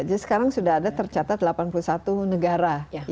jadi sekarang sudah ada tercatat delapan puluh satu negara